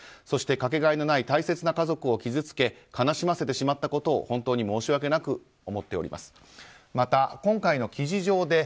そして、かけがえのない大切な家族を傷つけ悲しませてしまったことを本当に申し訳なく思っています。